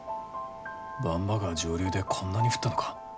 番場川上流でこんなに降ったのか？